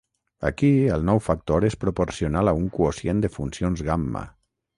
Aquí, el nou factor és proporcional a un quocient de funcions gamma.